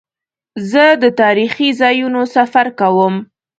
زه د تاریخي ځایونو سفر کوم.